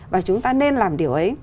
và chúng ta nên làm điều ấy